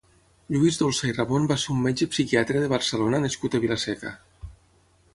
Lluís Dolsa i Ramon va ser un metge psiquiatre de Barcelona nascut a Vila-seca.